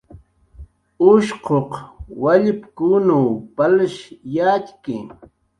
Ushquq wallpkunw palsh yatxki